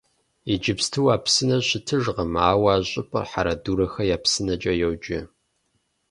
Иджыпсту а псынэр щытыжкъым, ауэ а щӀыпӀэм «Хьэрэдурэхэ я псынэкӀэ» йоджэ.